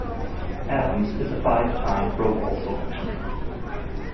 Adams is a five-time Pro Bowl selection.